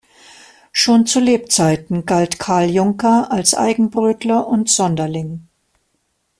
Schon zu Lebzeiten galt Karl Junker als Eigenbrötler und Sonderling.